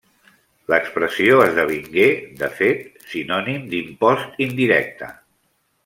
L'expressió esdevingué, de fet, sinònim d'impost indirecte.